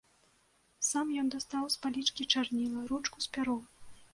Сам ён дастаў з палічкі чарніла, ручку з пяром.